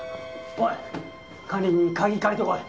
おい管理人に鍵借りてこい。